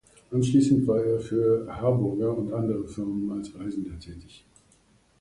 Anschließend war er für Harburger und andere Firmen als Reisender tätig.